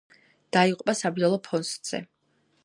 დაიღუპა საბრძოლო პოსტზე.